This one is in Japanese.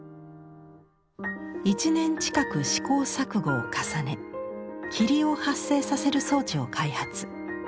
１年近く試行錯誤を重ね霧を発生させる装置を開発。